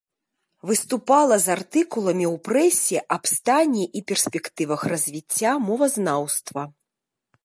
Выступала з артыкуламі ў прэсе аб стане і перспектывах развіцця мовазнаўства.